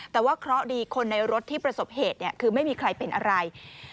แต่ว่าเคราะห์ดีคนในรถที่ประสบเหตุคือไม่มีใครเป็นอะไร